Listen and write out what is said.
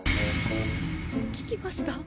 聞きました？